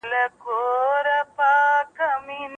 خپل هدف ته رسېدل هڅه او باور غواړي.